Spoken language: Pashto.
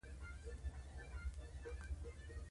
ساقي وویل خبره تر خبرې اوښتې ده او داسې نه ده.